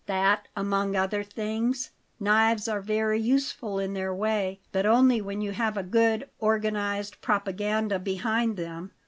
"That, among other things. Knives are very useful in their way; but only when you have a good, organized propaganda behind them.